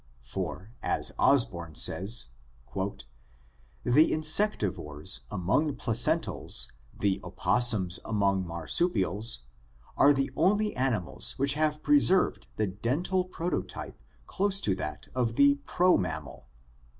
49), for, as Osborn says, "The Insectivores among Placentals, and Opossums among Marsupials, are the only animals which have preserved the dental prototype close to that of the Promammal.